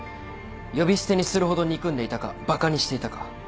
呼び捨てにするほど憎んでいたかバカにしていたか。